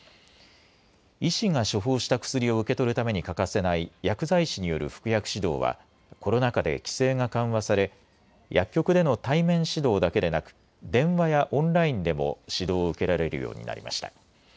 医師が処方した薬を受け取るために欠かせない薬剤師による服薬指導はコロナ禍で規制が緩和され薬局での対面指導だけでなく電話やオンラインでも指導を受けられるようになりました。